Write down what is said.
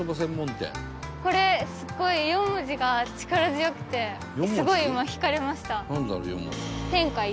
これすごい４文字が力強くてすごい今惹かれました。